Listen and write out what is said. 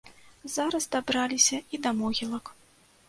Зараз дабраліся і да могілак.